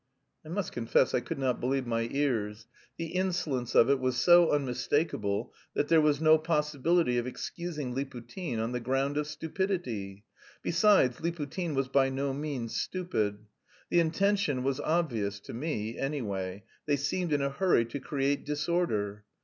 I must confess I could not believe my ears. The insolence of it was so unmistakable that there was no possibility of excusing Liputin on the ground of stupidity. Besides, Liputin was by no means stupid. The intention was obvious, to me, anyway; they seemed in a hurry to create disorder.